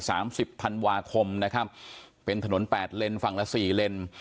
สิบธันวาคมนะครับเป็นถนนแปดเลนส์ฝั่งละสี่เลน